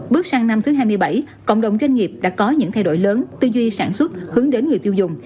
bước sang năm thứ hai mươi bảy cộng đồng doanh nghiệp đã có những thay đổi lớn tư duy sản xuất hướng đến người tiêu dùng